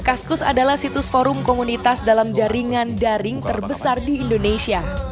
kaskus adalah situs forum komunitas dalam jaringan daring terbesar di indonesia